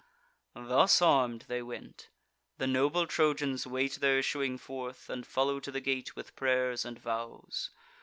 Thus arm'd they went. The noble Trojans wait Their issuing forth, and follow to the gate With prayers and vows.